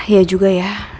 iya juga ya